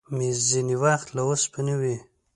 مېز ځینې وخت له اوسپنې وي.